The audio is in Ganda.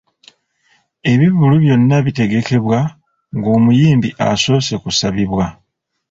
Ebivvulu byonna bitegekebwa ng’omuyimbi asoose kusabibwa.